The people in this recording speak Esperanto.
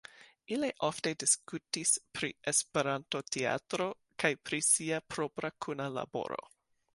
Ili ofte diskutis pri esperantoteatro kaj pri sia propra kuna laboro.